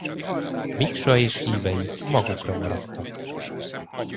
Miksa és hívei magukra maradtak.